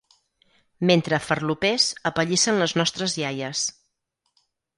Mentre ‘farlopers’ apallissen les nostres iaies.